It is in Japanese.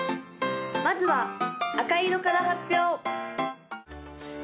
・まずは赤色から発表！